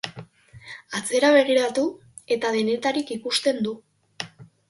Atzera begiratu eta denetarik ikusten du.